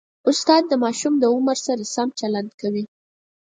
استاد د ماشوم له عمر سره سم چلند کوي.